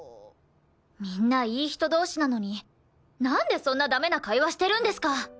みんないい人同士なのになんでそんなダメな会話してるんですか？